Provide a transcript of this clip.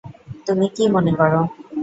তুমি কি মনে করো?